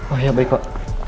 oh ya baik pak